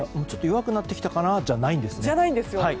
ちょっと弱くなってきたかなじゃないんですね。